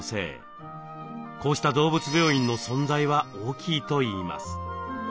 こうした動物病院の存在は大きいといいます。